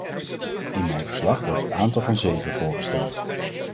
In mijn verslag wordt het aantal van zeven voorgesteld.